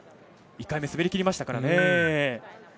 １回目滑りきりましたから。